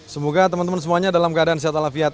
semoga teman teman semuanya dalam keadaan sehat alafiat